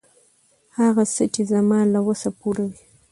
هغه څه، چې زما له وس پوره وي.